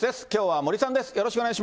きょうは森さんです。